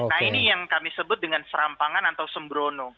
nah ini yang kami sebut dengan serampangan atau sembrono